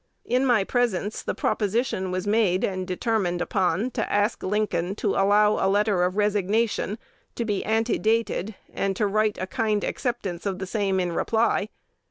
In my presence the proposition was made and determined upon to ask Lincoln to allow a letter of resignation to be antedated, and to write a kind acceptance of the same in reply.